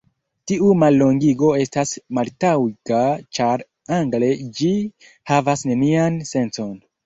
Tiu mallongigo estas maltaŭga ĉar angle ĝi havas nenian sencon.